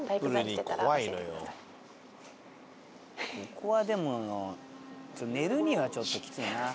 ここはでも寝るにはちょっときついな。